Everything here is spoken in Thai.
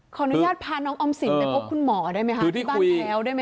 ขออนุญาตพาน้องอ่อมสิรไปพบคุณหมอได้ไหมคะ